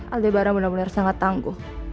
aldebaran benar benar sangat tangguh